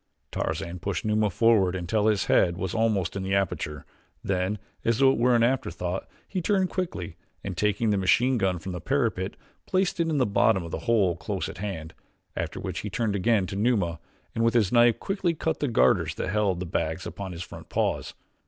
Tarzan pushed Numa forward until his head was almost in the aperture, then as though it were an afterthought, he turned quickly and, taking the machine gun from the parapet, placed it in the bottom of the hole close at hand, after which he turned again to Numa, and with his knife quickly cut the garters that held the bags upon his front paws.